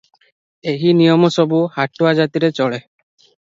ଏହି ନିୟମ ସବୁ ହାଟୁଆ ଜାତିରେ ଚଳେ ।